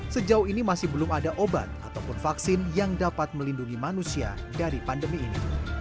sejauh ini masih belum ada obat ataupun vaksin yang dapat melindungi manusia dari pandemi ini